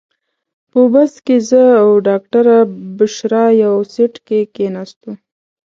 په بس کې زه او ډاکټره بشرا یو سیټ کې کېناستو.